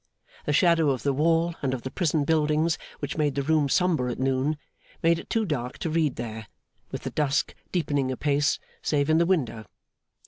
The shadow of the wall and of the prison buildings, which made the room sombre at noon, made it too dark to read there, with the dusk deepening apace, save in the window.